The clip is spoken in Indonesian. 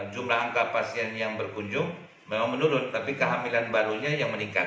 jumlah angka pasien yang berkunjung memang menurun tapi kehamilan barunya yang meningkat